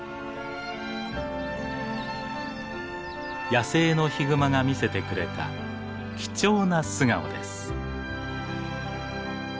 野生のヒグマが見せてくれた貴重な素顔です。